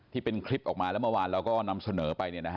ที่เป็นคลิปออกมาแล้วเมื่อวานเราก็นำเสนอไป